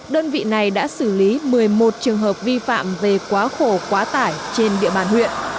đơn vị này đã xử lý một mươi một trường hợp vi phạm về quá khổ quá tải trên địa bàn huyện